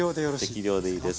適量でいいです。